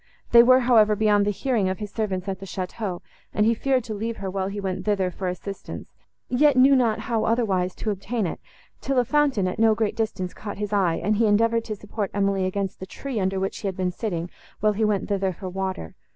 They were, however, beyond the hearing of his servants at the château, and he feared to leave her while he went thither for assistance, yet knew not how otherwise to obtain it; till a fountain at no great distance caught his eye, and he endeavoured to support Emily against the tree, under which she had been sitting, while he went thither for water.